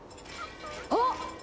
あっ！